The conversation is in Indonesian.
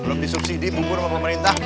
belum disubsidi bubur sama pemerintah